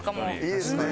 いいですね。